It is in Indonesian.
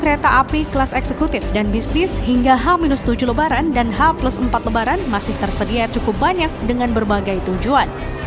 kereta api kelas eksekutif dan bisnis hingga h tujuh lebaran dan h empat lebaran masih tersedia cukup banyak dengan berbagai tujuan